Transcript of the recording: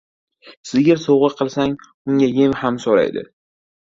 • Sigir sovg‘a qilsang, unga yem ham so‘raydi.